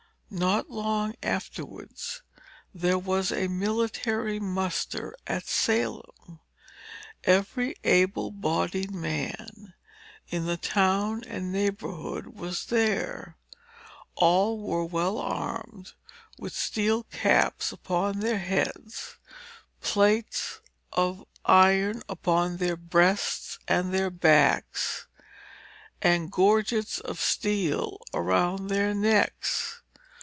Not long afterwards there was a military muster at Salem. Every able bodied man, in the town and neighborhood, was there. All were well armed, with steel caps upon their heads, plates of iron upon their breasts and at their backs, and gorgets of steel around their necks.